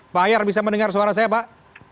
pak ahyar bisa mendengar suara saya pak